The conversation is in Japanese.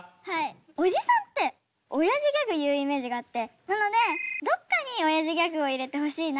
おじさんっておやじギャグ言うイメージがあってなのでどっかにおやじギャグを入れてほしいなと思って。